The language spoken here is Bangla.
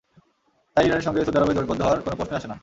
তাই ইরানের সঙ্গে সৌদি আরবের জোটবদ্ধ হওয়ার কোনো প্রশ্নই আসে না।